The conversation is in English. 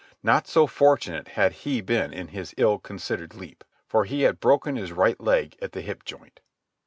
Not so fortunate had he been in his ill considered leap, for he had broken his right leg at the hip joint.